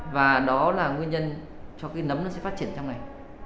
và đó là nguyên nhân cho cái nấm nó sẽ phát triển trong ngày